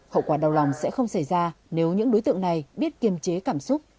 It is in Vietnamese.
hậu quả đau lòng sẽ không xảy ra nếu những đối tượng này biết kiềm chế cảm xúc